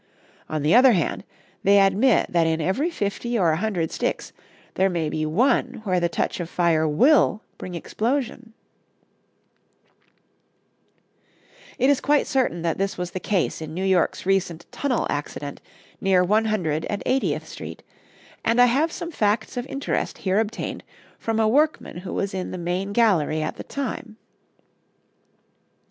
On the other hand, they admit that in every fifty or a hundred sticks there may be one where the touch of fire will bring explosion. [Illustration: THE EXPLOSION IN THE NEW YORK CITY TUNNEL.] It is quite certain this was the case in New York's recent tunnel accident near One Hundred and Eightieth Street, and I have some facts of interest here obtained from a workman who was in the main gallery at the time.